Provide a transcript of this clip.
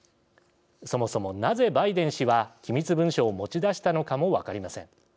そもそも、なぜバイデン氏は機密文書を持ち出したのかも分かりません。